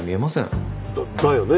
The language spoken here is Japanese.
だだよね？